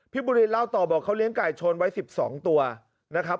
บุรีเล่าต่อบอกเขาเลี้ยงไก่ชนไว้๑๒ตัวนะครับ